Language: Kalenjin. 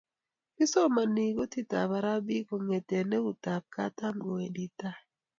Kisomani kutitab arabik kongete eutab katam kowendi netai